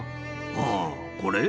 あぁこれ？